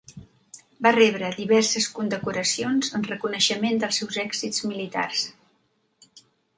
Va rebre diverses condecoracions en reconeixement dels seus èxits militars.